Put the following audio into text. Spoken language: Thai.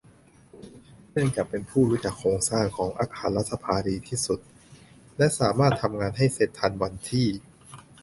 เนื่องจากเป็นผู้รู้จักโครงสร้างของอาคารรัฐสภาดีที่สุด และ สามารถทำงานให้เสร็จทันวันที่